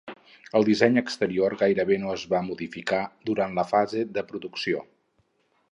El disseny exterior gairebé no es va modificar durant la fase de producció.